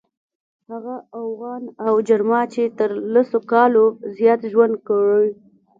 هغه اوغان او جرما چې تر سلو کالو زیات ژوند کړی.